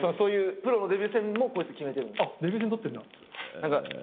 プロのデビュー戦もこいつ決めてるんですよ。